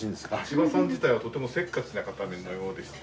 千葉さん自体はとてもせっかちな方のようでして。